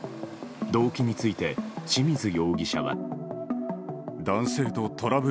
動機について、清水容疑者は。